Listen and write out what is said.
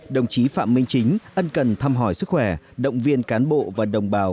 đồng chí phạm minh chính ân cần thăm hỏi sức khỏe động viên cán bộ và đồng bào